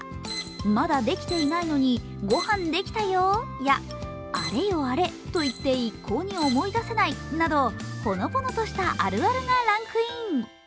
まだできていないのに、御飯できたよーやあれよあれと言って一向に思い出せないなど、ほのぼのとした、あるあるがランクイン。